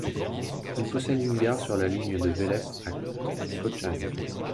Il possède une gare sur la ligne de Vélès à Kotchani.